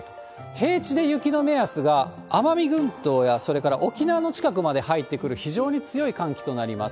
平地で雪の目安が、奄美群島や、それから沖縄の近くまで入ってくる非常に強い寒気となります。